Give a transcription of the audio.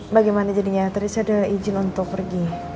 bagaimana jadinya tadi saya ada izin untuk pergi